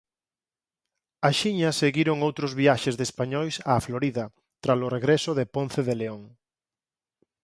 Axiña seguiron outros viaxes de españois á Florida tralo regreso de Ponce de León.